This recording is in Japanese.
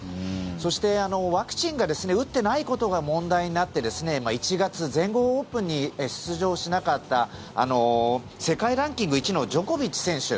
そして、ワクチンが打ってないことが問題になって１月、全豪オープンに出場しなかった世界ランキング１位のジョコビッチ選手。